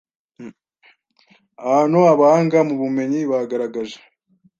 ahantu Abahanga mu bumenyi bagaragaje